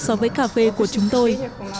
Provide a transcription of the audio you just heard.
so với cà phê của chúng tôi